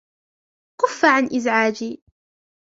كُفّ عن إزعاجي!